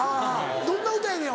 どんな歌やねん？